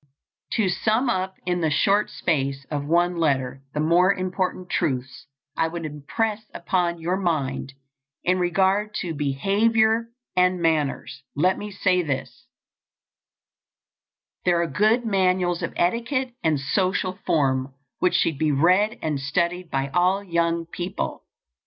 To sum up in the short space of one letter the more important truths I would impress upon your mind in regard to behavior and manners, let me say this: There are good manuals of etiquette and social form which should be read and studied by all young people.